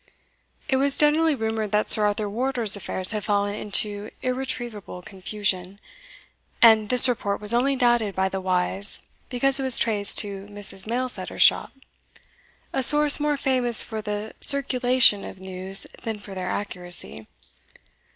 It was generally rumoured that Sir Arthur Wardour's affairs had fallen into irretrievable confusion, and this report was only doubted by the wise, because it was traced to Mrs. Mailsetter's shop, a source more famous for the circulation of news than for their accuracy.